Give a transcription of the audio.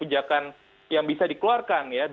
kebijakan yang bisa dikeluarkan ya